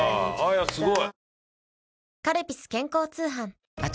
すごい！